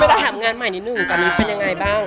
เราถามงานใหม่นิดนึงตอนนี้เป็นยังไงบ้าง